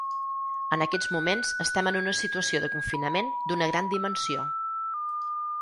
En aquests moments estem en una situació de confinament d’una gran dimensió.